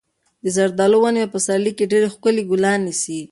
د زردالو ونې په پسرلي کې ډېر ښکلي ګلان نیسي.